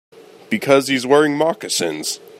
Because he's wearing moccasins.